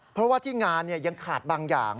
เพราะว่าที่งานยังขาดบางอย่าง